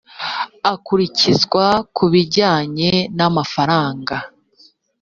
akurikizwa ku bijyanye n amafaranga